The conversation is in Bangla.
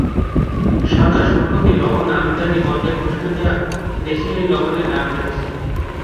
সরকার সম্প্রতি লবণ আমদানি বন্ধের ঘোষণা দেওয়ায় দেশি লবণের দাম বেড়েছে।